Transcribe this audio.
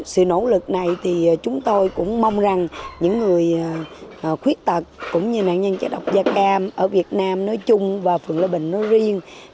sự nỗ lực này thì chúng tôi cũng mong rằng những người khuyết tật cũng như nạn nhân chất độc da cam ở việt nam nói chung và phường lê bình nói riêng